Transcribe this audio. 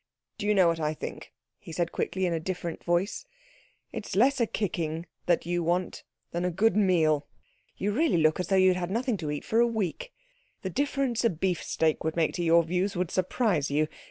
"Do you know what I think?" he said quickly, in a different voice. "It is less a kicking that you want than a good meal. You really look as though you had had nothing to eat for a week. The difference a beefsteak would make to your views would surprise you.